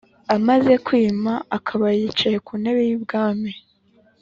Amaze kwima akaba yicaye ku ntebe y’ubwami